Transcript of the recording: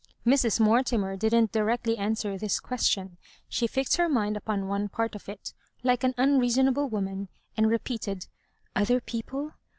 Mrs. Mortimer did not directly answer this question — she fixed her mind upon one part of it, like an unreasonable woman, and repeated ''Other people